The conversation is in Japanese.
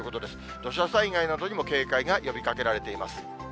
土砂災害などにも警戒が呼びかけられています。